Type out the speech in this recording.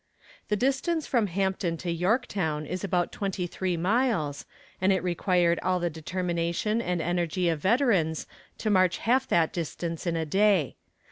The distance from Hampton to Yorktown is about twenty three miles, and it required all the determination and energy of veterans to march half that distance in a day.